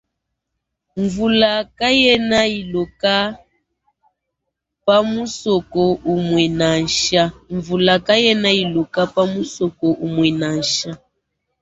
Mvula kayena iloka pa musoko umue nansha.